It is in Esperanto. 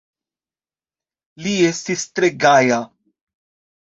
Li estis tre gaja.